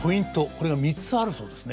これが３つあるそうですね。